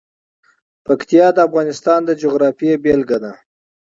پکتیا د افغانستان د جغرافیې بېلګه ده.